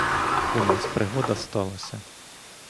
У нас пригода сталася.